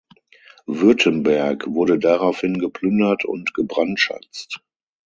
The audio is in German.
Württemberg wurde daraufhin geplündert und gebrandschatzt.